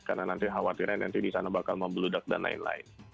karena nanti khawatirannya nanti di sana bakal membludak dan lain lain